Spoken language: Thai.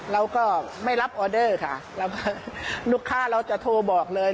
เราก็ไม่รับออเดอร์ค่ะแล้วก็ลูกค้าเราจะโทรบอกเลย